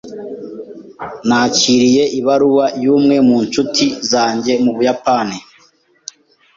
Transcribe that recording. Nakiriye ibaruwa y'umwe mu ncuti zanjye mu Buyapani.